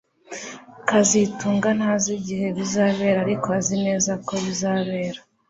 kazitunga ntazi igihe bizabera ariko azi neza ko bizabera